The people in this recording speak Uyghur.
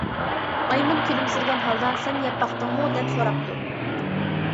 مايمۇن كۈلۈمسىرىگەن ھالدا: - سەن يەپ باقتىڭمۇ؟ - دەپ سوراپتۇ.